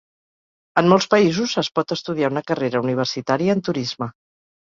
En molts països es pot estudiar una carrera universitària en turisme.